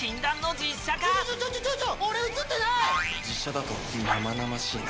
実写だと生々しいな。